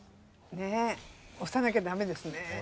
ねえ押さなきゃダメですね。